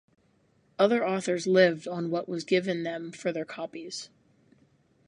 Other authors lived on what was given them for their copies.